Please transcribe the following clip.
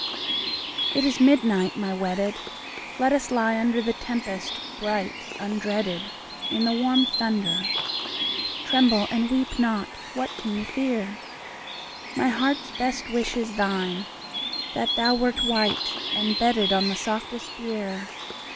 It is midnight, my wedded ; Let us lie under The tempest bright undreaded. In the warm thunder : (Tremble and weep not I What can you fear?) My heart's best wish is thine, — That thou wert white, and bedded On the softest bier.